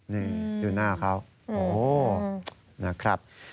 นี่ดูหน้าเขาโอ้นะครับ